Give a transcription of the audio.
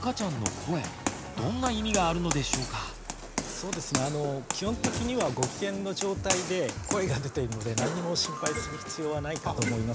そうですねあの基本的にはご機嫌の状態で声が出ているので何も心配する必要はないかと思いますけれども。